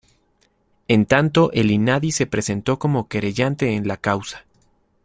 En tanto el Inadi se presentó como querellante en la causa.